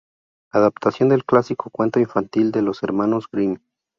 Adaptación del clásico cuento infantil de los hermanos Grimm.